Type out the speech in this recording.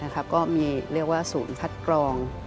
ก็มีเรียกว่าศูนย์คัดกรอง